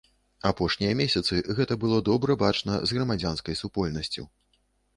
Апошнія месяцы гэта было добра бачна з грамадзянскай супольнасцю.